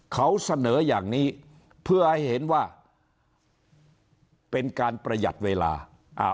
เขาเสนออย่างนี้เพื่อให้เห็นว่าเป็นการประหยัดเวลาอ่า